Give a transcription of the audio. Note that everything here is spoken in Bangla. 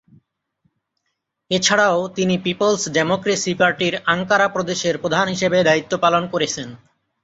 এছাড়াও তিনি পিপলস ডেমোক্রেসি পার্টির আঙ্কারা প্রদেশের প্রধান হিসেবে দায়িত্ব পালন করেছেন।